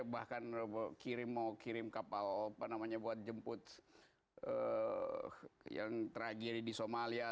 bahkan mau kirim kapal apa namanya buat jemput yang terakhir di somalia